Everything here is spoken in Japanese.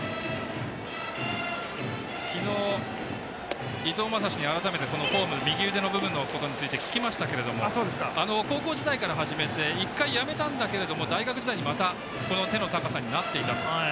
昨日、伊藤将司に改めてこのフォーム右腕の部分について聞きましたが高校時代から始めて１回やめたんだけれども大学時代にまた、この手の高さになっていたと。